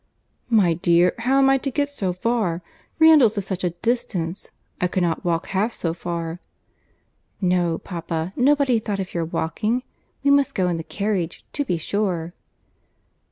"My dear, how am I to get so far? Randalls is such a distance. I could not walk half so far." "No, papa, nobody thought of your walking. We must go in the carriage, to be sure."